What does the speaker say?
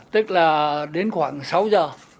tức là đến khoảng sáu giờ